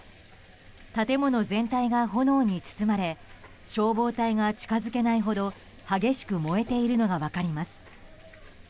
建物全体が炎に包まれ消防隊が近づけないほど激しく燃えているのが分かります。